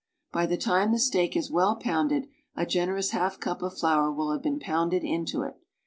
By the time the steak is well pounded a generous half cup of flour will have been pounded into it.